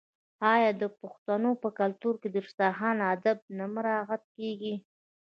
آیا د پښتنو په کلتور کې د دسترخان اداب نه مراعات کیږي؟